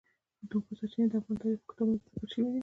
د اوبو سرچینې د افغان تاریخ په کتابونو کې ذکر شوی دي.